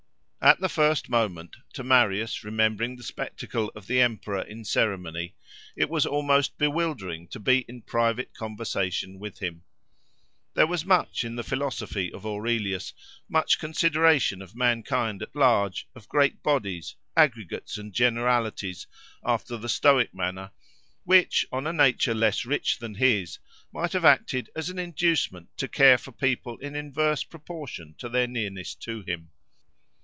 At the first moment, to Marius, remembering the spectacle of the emperor in ceremony, it was almost bewildering to be in private conversation with him. There was much in the philosophy of Aurelius—much consideration of mankind at large, of great bodies, aggregates and generalities, after the Stoic manner—which, on a nature less rich than his, might have acted as an inducement to care for people in inverse proportion to their nearness to him.